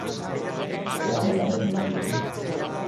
你係咪有咩意見？